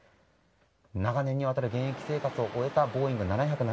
長年にわたる現役生活を終えた「ボーイング７７７」。